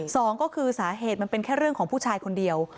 สองก็คือสาเหตุมันเป็นแค่เรื่องของผู้ชายคนเดียว